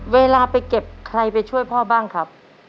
เวลาไปเก็บใครไปช่วยพ่อบ้างครับ